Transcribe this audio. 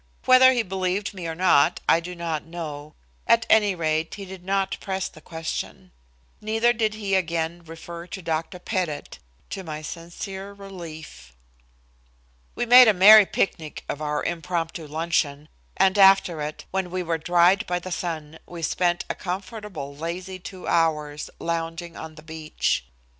Whether he believed me or not I do not know. At any rate, he did not press the question. Neither did he again refer to Dr. Pettit, to my sincere relief. We made a merry picnic of our impromptu luncheon, and after it, when we were dried by the sun, we spent a comfortable lazy two hours lounging on the beach.